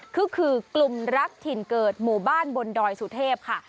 ก็คือกลุ่มรักถิ่นเกิดหมู่บ้านบนดอยสุเทพค่ะ